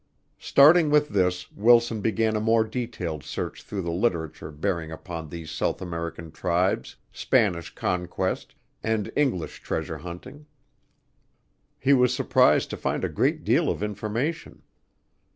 Starting with this, Wilson began a more detailed search through the literature bearing upon these South American tribes, Spanish conquest, and English treasure hunting. He was surprised to find a great deal of information.